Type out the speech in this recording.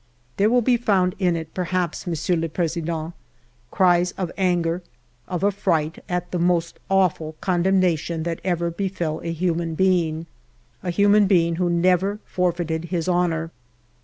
" There will be found in it, perhaps. Monsieur le President, cries of anger, of affright, at the most awful condemnation that ever befell a human being, — a human being who never forfeited his honor.